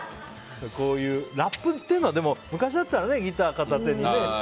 ラップっていうのは昔だったらギター片手にね。